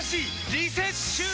リセッシュー！